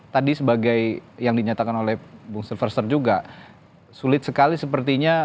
tadi sebagai yang dinyatakan oleh bung sulverser juga sulit sekali sepertinya